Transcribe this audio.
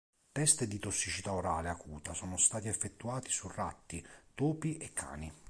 Test di tossicità orale acuta sono stati effettuati su ratti, topi e cani.